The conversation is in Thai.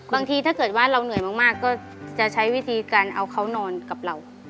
ถ้าเกิดว่าเราเหนื่อยมากก็จะใช้วิธีการเอาเขานอนกับเรา